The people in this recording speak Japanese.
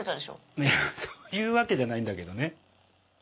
いやそういうわけじゃないんだけどね。